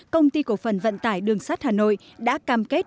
công ty cổ phần vận tải đường sắt hà nội đã cam kết